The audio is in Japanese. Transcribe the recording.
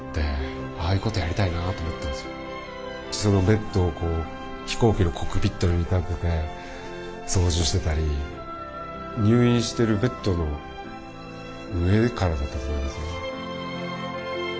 ベッドを飛行機のコックピットに見立てて操縦してたり入院してるベッドの上からだったと思いますね。